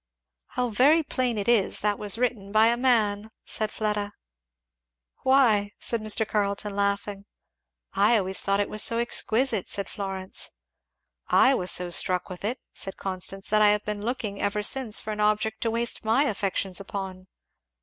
'" "How very plain it is that was written by a man!" said Fleda. "Why?" said Mr. Carleton laughing. "I always thought it was so exquisite!" said Florence. "I was so struck with it," said Constance, "that I have been looking ever since for an object to waste my affections upon."